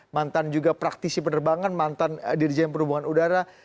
mantan juga praktisi penerbangan mantan dirjen perhubungan udara